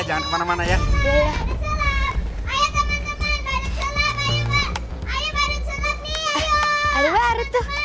luncukoni polanya lemparin ke